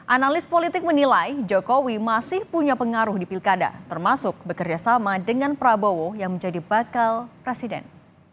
analis politik menilai jokowi masih punya pengaruh di pilkada termasuk bekerjasama dengan prabowo yang menjadi bakal presiden